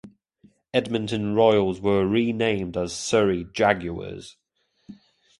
Edmonton Royals were renamed as Surrey Jaguars.